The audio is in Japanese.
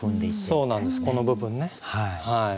そうなんですこの部分ね。